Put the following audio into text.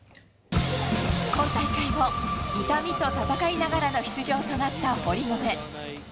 今大会も痛みと闘いながらの出場となった堀米。